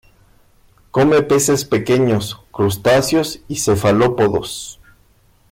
Come peces pequeños, crustáceos y cefalópodos.